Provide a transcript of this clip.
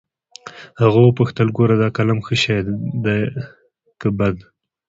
هغه وپوښتل ګوره دا قلم ښه شى ديه که بد.